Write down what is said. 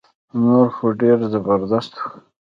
نور خو ډير زبردست وو